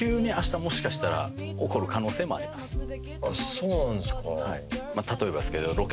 そうなんですか。